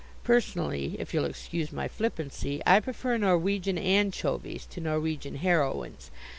Personally, if you'll excuse my flippancy, I prefer Norwegian anchovies to Norwegian heroines.